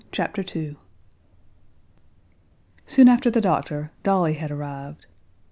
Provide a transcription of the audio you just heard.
Chapter 2 Soon after the doctor, Dolly had arrived.